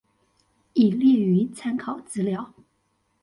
已列於參考資料